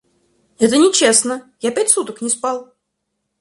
Это нечестно, я пять суток не спал!